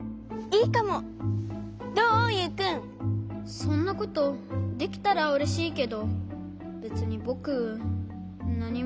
そんなことできたらうれしいけどべつにぼくなにも。